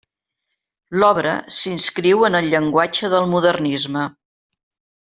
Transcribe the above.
L'obra s'inscriu en el llenguatge del modernisme.